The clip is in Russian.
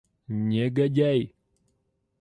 Негодяй!